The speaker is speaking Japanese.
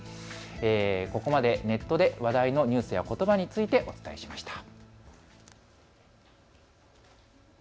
ここまでネットで話題のニュースやことばについてお伝えしました。